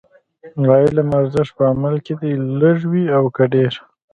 د علم ارزښت په عمل کې دی، لږ وي او که ډېر.